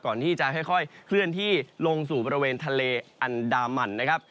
ก่อนที่จะค่อยเคลื่อนที่ลงสู่บริเวณทะเลอันดามันนะครับ